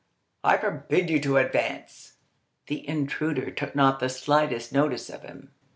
I forbid you to advance." The intruder took not the slightest notice of him.